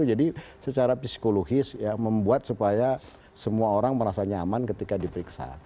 jadi secara psikologis ya membuat supaya semua orang merasa nyaman ketika diperiksa